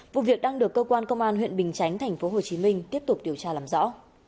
vụ việc đang được cơ quan công an huyện bình chánh tp hcm tiếp tục điều tra làm rõ